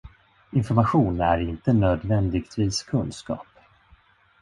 Information är inte nödvändigtvis kunskap.